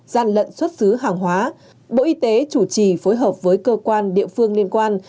gian lận xuất xứ hàng hóa bộ y tế chủ trì phối hợp với cơ quan địa phương liên quan